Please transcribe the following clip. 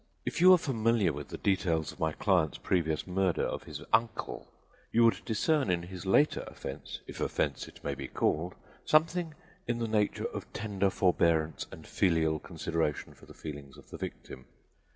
If you were familiar with the details of my client's previous murder of his uncle you would discern in his later offense (if offense it may be called) something in the nature of tender forbearance and filial consideration for the feelings of the victim.